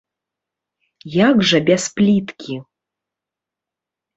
Як жа без пліткі!